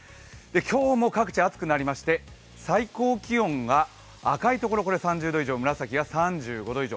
今日も各地暑くなりまして、最高気温が赤いところが３０度以上、紫が３５度以上。